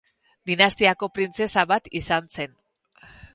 Dinastiako printzesa bat izan zen.